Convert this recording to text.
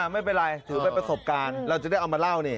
ไม่เป็นไรถือเป็นประสบการณ์เราจะได้เอามาเล่านี่